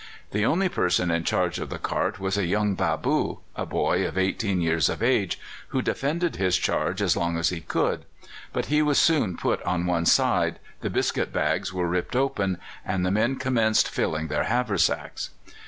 "The only person in charge of the cart was a young bâboo, a boy of eighteen years of age, who defended his charge as long as he could; but he was soon put on one side, the biscuit bags were ripped open, and the men commenced filling their haversacks.